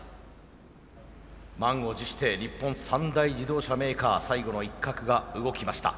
満を持して日本三大自動車メーカー最後の一角が動きました。